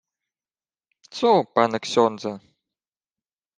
— Цо, пане ксьондзе?